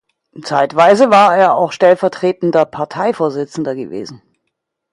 Zeitweise war er auch stellvertretender Parteivorsitzender gewesen.